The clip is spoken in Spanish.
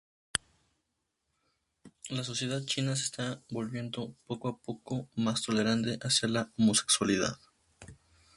La sociedad china se está volviendo poco a poco más tolerante hacia la homosexualidad.